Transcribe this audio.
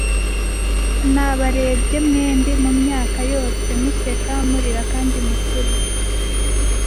Nabarebye mwembi mumyaka yose museka, murira, kandi mukure ...